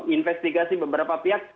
investigasi beberapa pihak